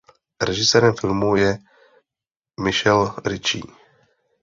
Režisérem filmu je Michael Ritchie.